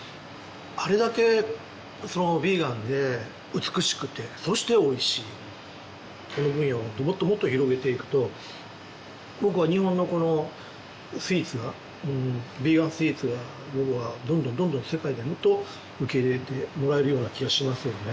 あれだけヴィーガンで美しくてそしておいしいこの分野をもっともっと広げていくと僕は日本のこのスイーツがヴィーガン・スイーツが僕はどんどんどんどん世界でもっと受け入れてもらえるような気がしますよね